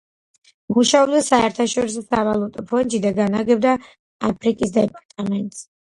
მუშაობდა საერთაშორისო სავალუტო ფონდში და განაგებდა აფრიკის დეპარტამენტს.